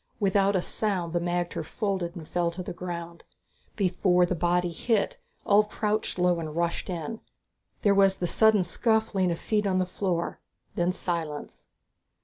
Without a sound the magter folded and fell to the ground. Before the body hit, Ulv crouched low and rushed in. There was the sudden scuffling of feet on the floor, then silence.